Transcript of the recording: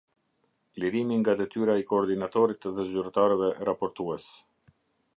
Lirimi nga detyra i koordinatorit dhe zyrtarëve raportues.